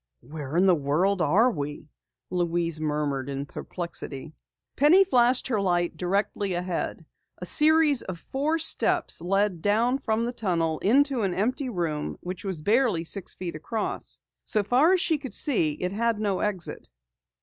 "Where in the world are we?" Louise murmured in perplexity. Penny flashed her light directly ahead. A series of four steps led down from the tunnel into an empty room which barely was six feet across. So far as she could see it had no exit.